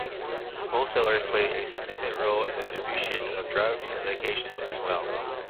Wholesalers play a significant role in the distribution of drugs and medications as well.